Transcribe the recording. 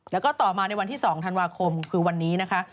แล้วก็ต่อมาในวันที่๒ธันวาคมคือวันนี้นะคะ